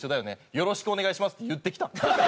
よろしくお願いします」って言ってきたの？